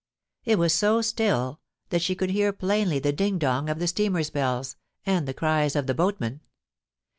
It was so still that she could hear plainly the ding dong of the steamers' bells, and the cries of the boatmen.